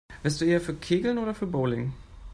Wärst du eher für Kegeln oder für Bowling?